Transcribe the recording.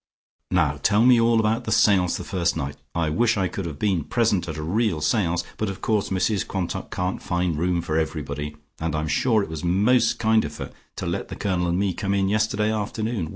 Now tell me all about the seance the first night. I wish I could have been present at a real seance, but of course Mrs Quantock can't find room for everybody, and I'm sure it was most kind of her to let the Colonel and me come in yesterday afternoon.